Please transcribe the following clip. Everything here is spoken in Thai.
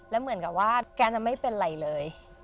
แล้วเหมือนกับว่าแกจะไม่เป็นไรเลย